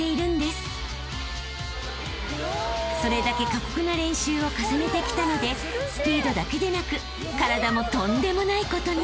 ［それだけ過酷な練習を重ねてきたのでスピードだけでなく体もとんでもないことに］